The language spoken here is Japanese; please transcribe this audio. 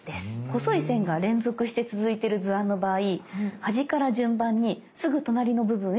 細い線が連続して続いてる図案の場合端から順番にすぐ隣の部分へ切り進めて下さい。